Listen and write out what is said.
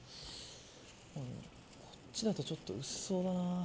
こっちだとちょっと薄そうだな。